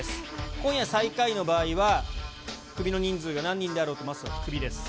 今夜最下位の場合は、クビの人数が何人であろうと、まっすーはクビです。